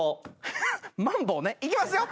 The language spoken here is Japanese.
いきますよ。